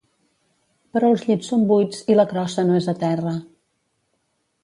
Però els llits són buits i la crossa no és a terra.